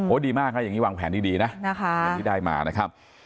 โอ้ยดีมากค่ะอย่างนี้วางแผนที่ดีนะที่ได้มานะครับ